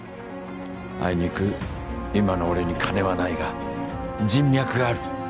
あいにく今の俺に金はないが人脈がある。